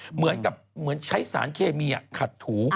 เหมือนกับเหมือนใช้สารเคมีขัดถู